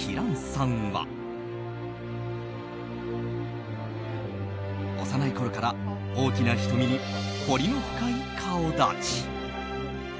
さんは幼いころから大きな瞳に彫りの深い顔立ち。